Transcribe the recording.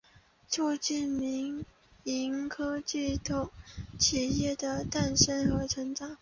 促进了民营科技企业的诞生和成长。